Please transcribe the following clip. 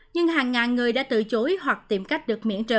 nhưng hàng ngàn người đã tự chối hoặc tiệm cách được